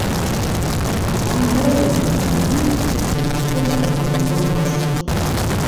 Алъандэрэ ямыдами, цӀыху цӀыкӀум дахуэныкъуэнущ.